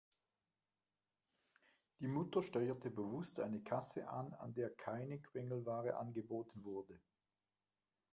Die Mutter steuerte bewusst eine Kasse an, an der keine Quengelware angeboten wurde.